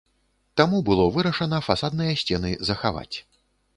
Таму было вырашана фасадныя сцены захаваць.